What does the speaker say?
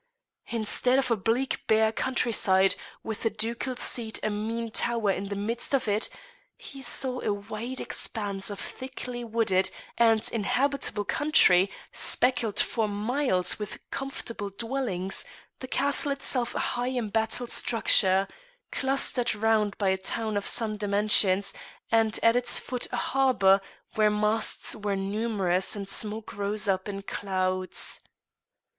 Instead of a bleak bare country side, with the ducal seat a mean tower in the midst of it, he saw a wide expanse of thickly wooded and inhabitable country speckled for miles with comfortable dwellings, the castle itself a high embattled structure, clustered round by a town of some dimensions, and at its foot a harbour, where masts were numerous and smoke rose up in clouds.